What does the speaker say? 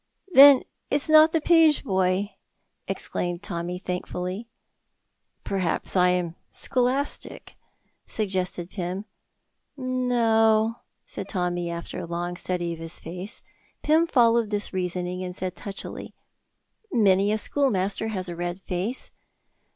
"Then it's not the page boy!" exclaimed Tommy, thankfully. "Perhaps I am 'Scholastic,'" suggested Pym. "No," said Tommy, after a long study of his face. Pym followed this reasoning, and said touchily, "Many a schoolmaster has a red face."